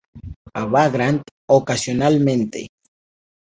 A Vagrant", ocasionalmente.